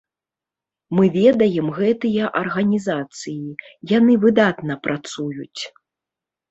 Мы ведаем гэтыя арганізацыі, яны выдатна працуюць.